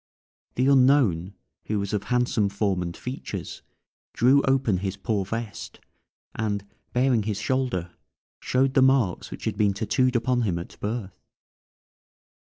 The unknown, who was of handsome form and features, drew open his poor vest, and baring his shoulder, showed the marks which had been tattooed upon him at birth.